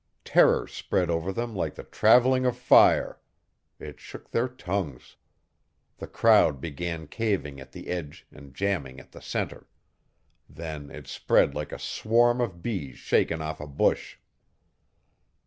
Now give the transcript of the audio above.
Terror spread over them like the travelling of fire. It shook their tongues. The crowd began caving at the edge and jamming at the centre. Then it spread like a swarm of bees shaken off a bush.